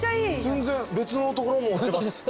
全然別の所も売ってます。